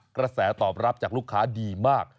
กระแสตอบรับจากลูกค้าดีมาก